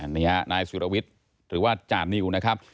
นี่ฮะนายสุรวิทย์หรือว่าจานิวนะครับ